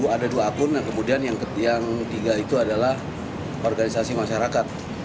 ada dua akun kemudian yang tiga itu adalah organisasi masyarakat